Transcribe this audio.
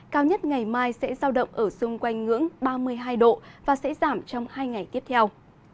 cao nhất ngày mai sẽ giao động ở xung quanh ngưỡng ba mươi hai độ và sẽ giảm trong hai ngày tiếp theo